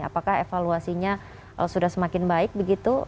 apakah evaluasinya sudah semakin baik begitu